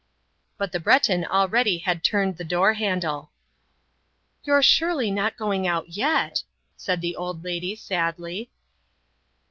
But the Breton already had turned the door handle, "You're surely not going out yet!" said the old lady sadly.